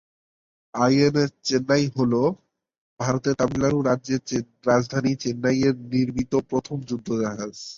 INS Chennai হ'ল ভারতের তামিলনাড়ু রাজ্যের রাজধানী চেন্নাইয়ের নামে নির্মিত প্রথম যুদ্ধজাহাজ।